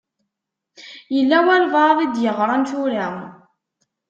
Yella walebɛaḍ i d-yeɣṛan tura.